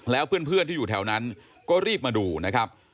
แล้วเพื่อนที่อยู่แถวนั้นก็รีบมาดูนะครับ